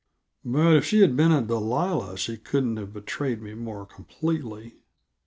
But if she had been a Delilah she couldn't have betrayed me more completely.